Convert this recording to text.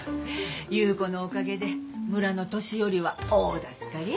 優子のおかげで村の年寄りは大助かり。